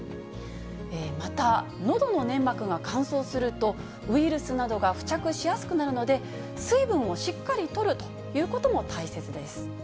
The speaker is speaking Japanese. また、のどの粘膜が乾燥すると、ウイルスなどが付着しやすくなるので、水分をしっかりとるということも大切です。